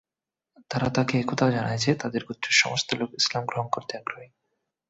তারা তাকে একথাও জানায় যে, তাদের গোত্রের সমস্ত লোক ইসলাম গ্রহণ করতে আগ্রহী।